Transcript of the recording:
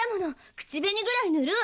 口紅ぐらい塗るわ。